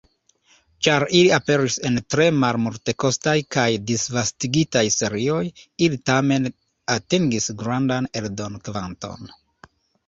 Ĉar ili aperis en tre malmultekostaj kaj disvastigitaj serioj, ili tamen atingis grandan eldon-kvanton.